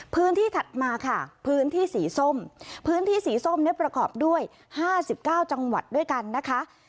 ถัดมาค่ะพื้นที่สีส้มพื้นที่สีส้มเนี่ยประกอบด้วย๕๙จังหวัดด้วยกันนะคะ